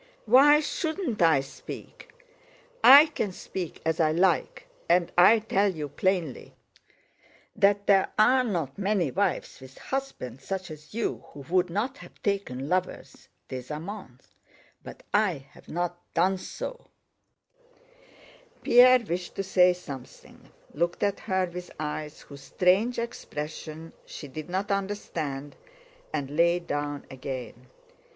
"Why shouldn't I speak? I can speak as I like, and I tell you plainly that there are not many wives with husbands such as you who would not have taken lovers (des amants), but I have not done so," said she. Pierre wished to say something, looked at her with eyes whose strange expression she did not understand, and lay down again.